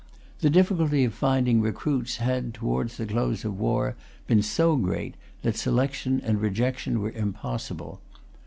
The difficulty of finding recruits had, towards the close of the war, been so great, that selection and rejection were impossible.